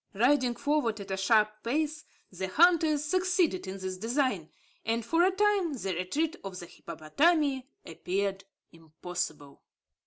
Riding forward at a sharp pace, the hunters succeeded in this design; and, for a time, the retreat of the hippopotami appeared impossible.